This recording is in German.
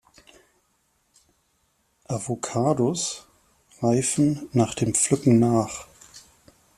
Avocados reifen nach dem Pflücken nach.